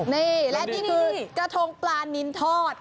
นี่และนี่คือกระทงปลานินทอด